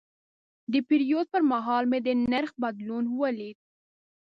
د پیرود پر مهال مې د نرخ بدلون ولید.